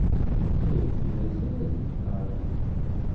Ayagi mazal a t-id-qqaren.